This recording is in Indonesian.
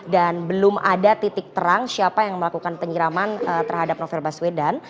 dan belum ada titik terang siapa yang melakukan penyiraman terhadap novel baswedan